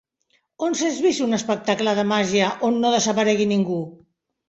On s'és vist un espectacle de màgia on no desaparegui ningú!